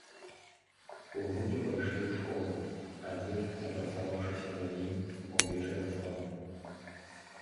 Унукі пайшлі ў школу, а дзед, напрацаваўшыся за дзень, увечары спаў.